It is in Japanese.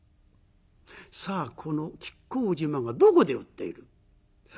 さあこの亀甲縞がどこで売っている。